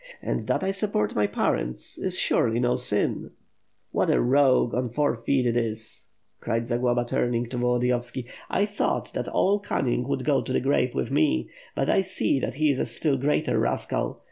And that I support my parents, is surely no sin." "What a rogue on four feet it is!" cried Zagloba, turning to Volodiyovski. "I thought that all cunning would go to the grave with me; but I see that he is a still greater rascal.